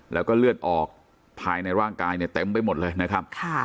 แล้วก็เลือดออกภายในร่างกายเนี่ยเต็มไปหมดเลยนะครับ